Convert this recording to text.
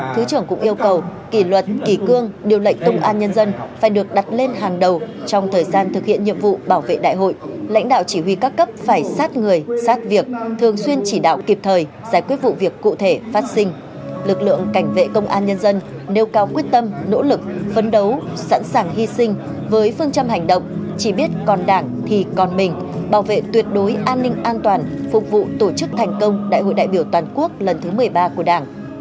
thứ trưởng cũng yêu cầu kỳ luật kỳ cương điều lệnh công an nhân dân phải được đặt lên hàng đầu trong thời gian thực hiện nhiệm vụ bảo vệ đại hội lãnh đạo chỉ huy các cấp phải sát người sát việc thường xuyên chỉ đạo kịp thời giải quyết vụ việc cụ thể phát sinh lực lượng cảnh vệ công an nhân dân nêu cao quyết tâm nỗ lực phấn đấu sẵn sàng hy sinh với phương trăm hành động chỉ biết còn đảng thì còn mình bảo vệ tuyệt đối an ninh an toàn phục vụ tổ chức thành công đại hội đại biểu toàn quốc lần thứ một mươi ba của đảng